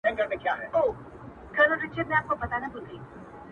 ستا خو به هېر یمه خو زه دي هېرولای نه سم -